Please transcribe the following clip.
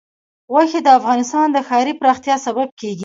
غوښې د افغانستان د ښاري پراختیا سبب کېږي.